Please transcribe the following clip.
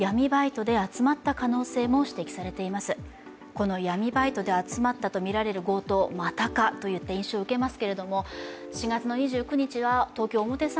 この闇バイトで集まったとみられる強盗、またかといった印象を受けます。